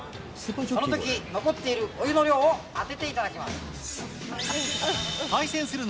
そのとき、残っているお湯の量を当てていただきます。